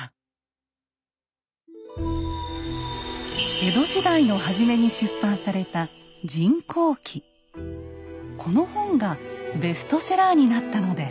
江戸時代の初めに出版されたこの本がベストセラーになったのです。